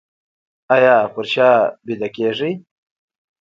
ایا په شا ویده کیږئ؟